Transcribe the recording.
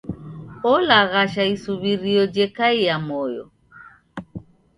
Olaghasha isuw'irio jekaia moyo.